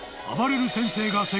［あばれる先生が］